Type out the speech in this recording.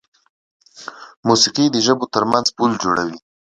موسیقي د ژبو تر منځ پل جوړوي.